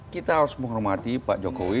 kita harus menghormati pak jokowi